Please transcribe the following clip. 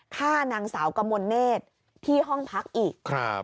ฆ่านางสาวกมลเนธที่ห้องพักอีก